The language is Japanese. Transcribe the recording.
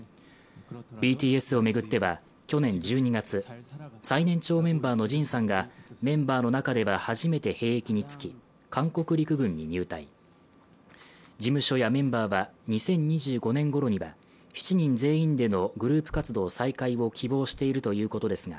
ＢＴＳを巡っては去年１２月、最年長メンバーのＪＩＮさんがメンバーの中では初めて兵役に就き韓国陸軍に入隊、事務所やメンバーは２０２５年ごろには７人全員でのグループ活動再開を希望しているということですが